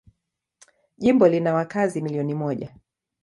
Jimbo lina wakazi milioni moja.